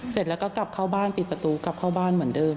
เสร็จแล้วก็กลับเข้าบ้านปิดประตูกลับเข้าบ้านเหมือนเดิม